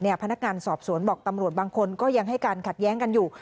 พนักงานสอบสวนบอกตำรวจบางคนก็ยังให้การขัดแย้งกันอยู่